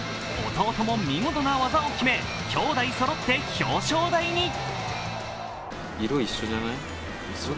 弟も見事な技を決め、兄弟そろって表彰台に。